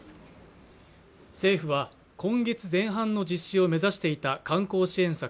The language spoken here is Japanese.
政府は今月前半の実施を目指していた観光支援策